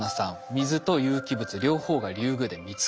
水と有機物両方がリュウグウで見つかった。